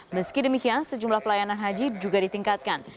meski demikian sejumlah pelayanan haji juga ditingkatkan